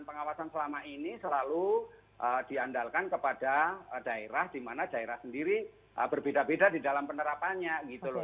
pengawasan selama ini selalu diandalkan kepada daerah di mana daerah sendiri berbeda beda di dalam penerapannya gitu loh